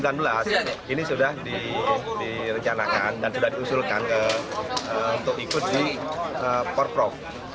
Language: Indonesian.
tahun dua ribu sembilan belas ini sudah direncanakan dan sudah diusulkan untuk ikut di porprov